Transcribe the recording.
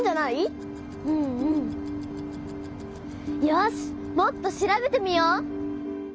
よしもっと調べてみよう！